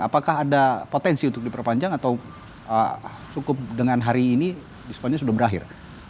apakah ada potensi untuk diperpanjang atau cukup dengan hari ini diskonnya sudah berakhir